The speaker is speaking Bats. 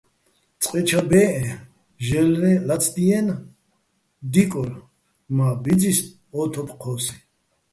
წყე ჩა ბეჸეჼ, ჟე́ლრეჼ ლაცდიენი̆, დიკორ მა́ ბიძის ო თოფ ჴო́სიჼ.